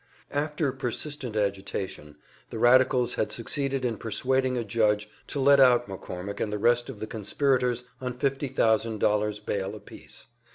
After persistent agitation, the radicals had succeeded in persuading a judge to let out McCormick and the rest of the conspirators on fifty thousand dollars bail apiece.